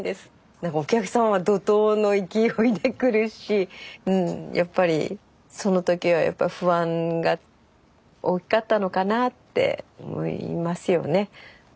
何かお客さんは怒とうの勢いで来るしやっぱりその時はやっぱ不安が大きかったのかなって思いますよね。